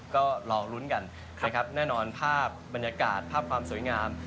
ก็รอลุ้นกันนะครับแน่นอนภาพบรรยากาศภาพความสวยงาม